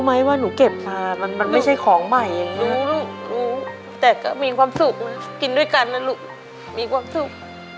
มีความสุข